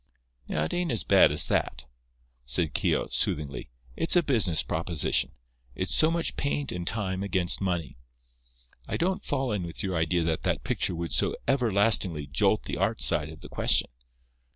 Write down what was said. "Now it ain't as bad as that," said Keogh, soothingly. "It's a business proposition. It's so much paint and time against money. I don't fall in with your idea that that picture would so everlastingly jolt the art side of the question.